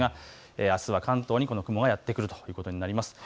あすは関東にこの雲がやって来るということになります。